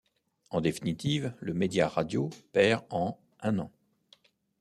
En définitive, le média radio perd en un an.